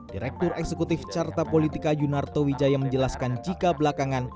direktur eksekutif carta politika yunarto wijaya menjelaskan jika belakangan